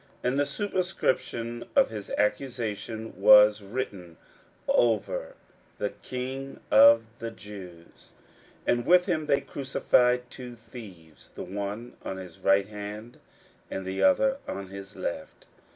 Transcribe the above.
41:015:026 And the superscription of his accusation was written over, THE KING OF THE JEWS. 41:015:027 And with him they crucify two thieves; the one on his right hand, and the other on his left.